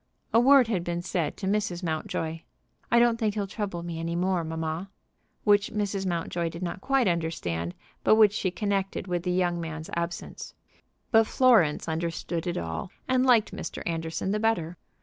A word had been said to Mrs. Mountjoy, "I don't think he'll trouble me any more, mamma," which Mrs. Mountjoy did not quite understand, but which she connected with the young man's absence. But Florence understood it all, and liked Mr. Anderson the better.